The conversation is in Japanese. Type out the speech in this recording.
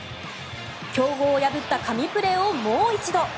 強豪を破った神プレーをもう一度。